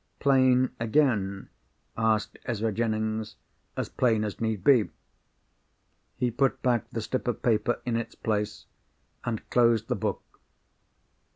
"Plain again?" asked Ezra Jennings. "As plain as need be." He put back the slip of paper in its place, and closed the book.